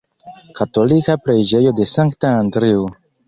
Katolika preĝejo de Sankta Andreo.